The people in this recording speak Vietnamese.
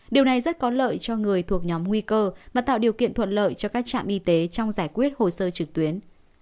điều này rất có lợi cho người thuộc nhóm nguy cơ và tạo điều kiện thuận lợi cho các trạm y tế trong giải quyết hồ sơ trực tuyến